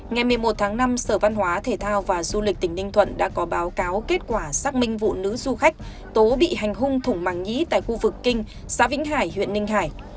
ngày một mươi một tháng năm sở văn hóa thể thao và du lịch tỉnh ninh thuận đã có báo cáo kết quả xác minh vụ nữ du khách tố bị hành hung thủng màng nhĩ tại khu vực kinh xã vĩnh hải huyện ninh hải